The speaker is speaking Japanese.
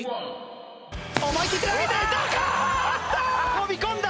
飛び込んだ。